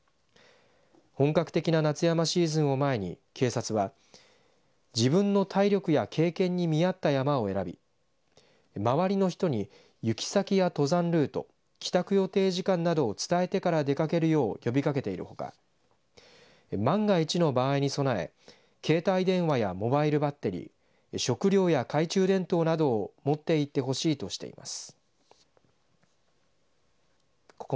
本格的な夏山シーズンを前に警察は自分の体力や経験に見合った山を選び周りの人に行き先や登山ルート帰宅予定時間などを伝えてから出掛けるよう呼びかけているほか万が一の場合に備え携帯電話やモバイルバッテリー食料や懐中電灯などを持っていってほしいとしています。